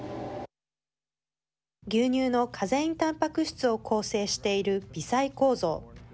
牛乳のカゼインたんぱく質を構成している微細構造。